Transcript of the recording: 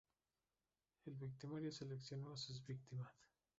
El victimario seleccionó a sus víctimas.